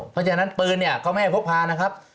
เพราะฉะนั้นปืนเนี่ยเขาไม่ให้พกพานะครับ